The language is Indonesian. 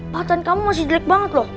paten kamu masih jelek banget loh